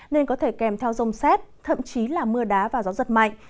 nên có thể kèm theo rông xét thậm chí là mưa đá và gió giật mạnh